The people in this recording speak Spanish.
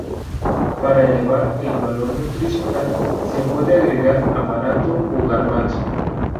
Para elevar el valor nutricional, se puede agregar amaranto o garbanzo.